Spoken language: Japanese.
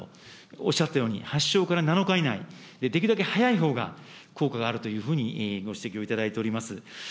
おっしゃったように、発症から７日以内、できるだけ早いほうが効果があるというふうに、ご指摘をいただいております。